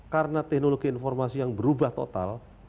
karena teknologi informasi yang berubah total